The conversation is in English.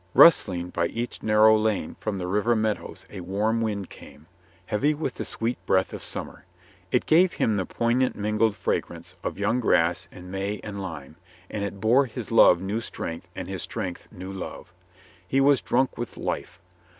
Rustling by each narrow lane from the river meadows a warm wind came, heavy with the sweet breath of summer. It gave him the poignant mingled fragrance of young grass and may and lime, and it bore his love new strength and his strength new love. He was drunk with life.